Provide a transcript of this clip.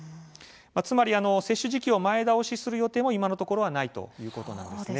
つまり接種時期を前倒しする予定は今のところないということなんです。